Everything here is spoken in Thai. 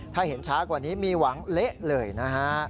ถ้าเห็นช้ากว่านี้มีหวังเละเลยนะฮะ